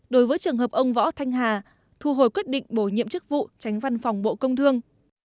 đối với trường hợp ông võ thanh hà thu hồi quyết định bổ nhiệm chức vụ tránh văn phòng bộ công thương